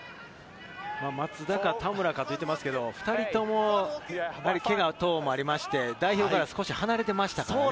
松田か田村かと言っていますけれど、２人とも、ケガなどもありまして、代表から少し離れていましたからね。